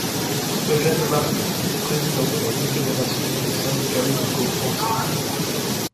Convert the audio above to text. Eugène Marquis, président de la Confédération des syndicats médicaux français.